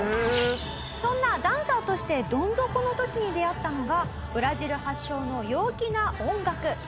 そんなダンサーとしてドン底の時に出会ったのがブラジル発祥の陽気な音楽サンバ。